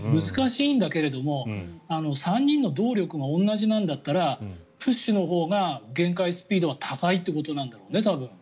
難しいんだけれども３人の動力が同じなんだったらプッシュのほうが限界スピードは高いということなんだろうね多分。